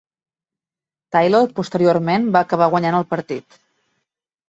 Taylor posteriorment va acabar guanyant el partit.